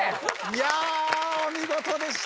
いやお見事でした！